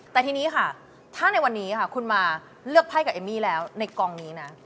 แต่ทีนี้ค่ะถ้าในวันนี้ค่ะคุณมาเลือกไพ่กับเอมมี่แล้วในกองนี้นะ